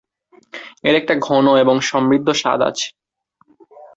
এর একটা ঘন এবং সমৃদ্ধ স্বাদ আছে।